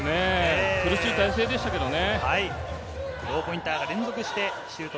苦しい体勢でしたけどね。